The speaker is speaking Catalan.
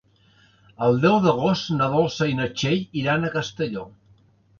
El deu d'agost na Dolça i na Txell iran a Castelló.